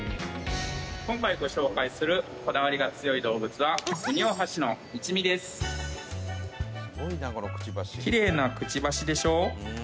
今回ご紹介するこだわりが強い動物はキレイなくちばしでしょ？